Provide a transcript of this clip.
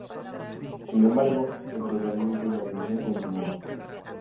Sin embargo, el tratamiento y la atención continua.